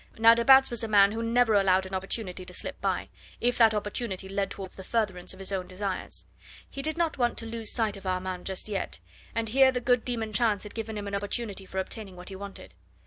Now de Batz was a man who never allowed an opportunity to slip by, if that opportunity led towards the furtherance of his own desires. He did not want to lose sight of Armand just yet, and here the good demon Chance had given him an opportunity for obtaining what he wanted.